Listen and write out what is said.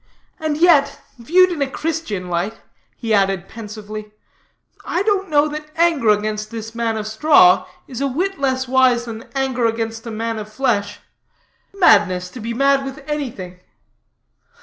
And yet, viewed in a Christian light," he added pensively, "I don't know that anger against this man of straw is a whit less wise than anger against a man of flesh, Madness, to be mad with anything."